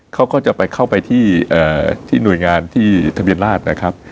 เขาก็จะไปเข้าไปที่หน่วยงานที่ทะเบียนราชนะครับ